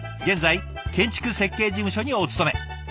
現在建築設計事務所にお勤め。